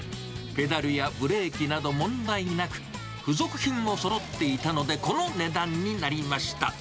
ペダルやブレーキなど問題なく、付属品もそろっていたので、この値段になりました。